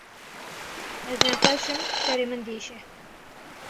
Ez nexweş im, serê min diêşe.